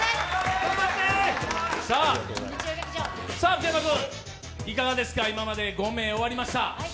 福山君、いかがですか今まで５名終わりました。